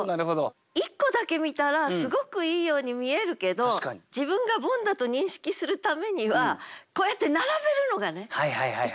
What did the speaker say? １個だけ見たらすごくいいように見えるけど自分がボンだと認識するためにはこうやって並べるのがね一番分かりやすいでしょ。